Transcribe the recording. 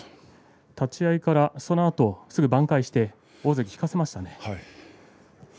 立ち合いからそのあとすぐ挽回して大関を引かせましたね。